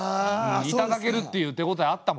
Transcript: いただけるっていう手ごたえあったもん。